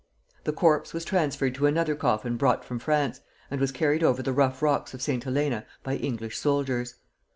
The corpse was transferred to another coffin brought from France, and was carried over the rough rocks of St. Helena by English soldiers.